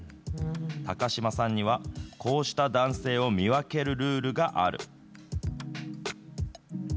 高嶋さんには、こうした男性を見分けるルールがある。